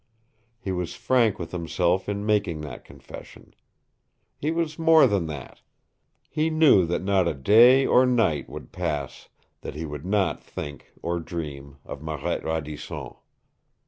He was frank with himself in making that confession. He was more than that. He knew that not a day or night would pass that he would not think or dream of Marette Radisson.